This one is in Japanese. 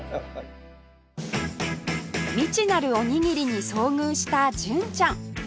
未知なるおにぎりに遭遇した純ちゃん